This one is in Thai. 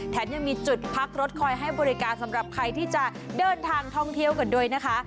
แถมยังมีจุดพักรถคอยให้บริการสำหรับใครที่จะเดินทางท่องเที่ยวกันด้วยนะคะ